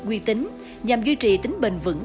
quy tính nhằm duy trì tính bền vững